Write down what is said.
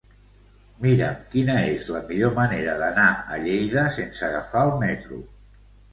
Mira'm quina és la millor manera d'anar a Lleida sense agafar el metro.